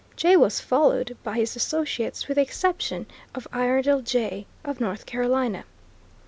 Jay was followed by his associates with the exception of Iredell, J., of North Carolina.